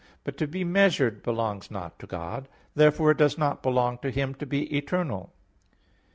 But to be measured belongs not to God. Therefore it does not belong to Him to be eternal.